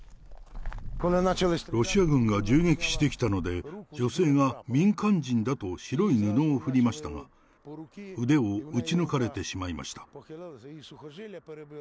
ロシア軍が銃撃してきたので、女性が民間人だと白い布を振りましたが、腕を撃ち抜かれてしまいました。